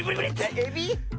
エビ？